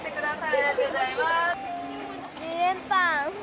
ありがとうございます。